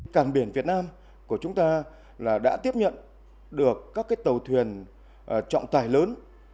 cảng biển việt nam của chúng ta đã tiếp nhận được các tàu thuyền trọng tài lớn